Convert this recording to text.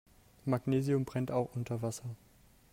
Magnesium brennt auch unter Wasser.